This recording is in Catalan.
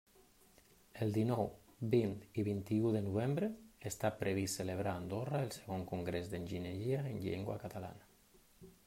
El dinou, vint i vint-i-u de novembre està previst celebrar a Andorra el Segon Congrés d'Enginyeria en Llengua Catalana.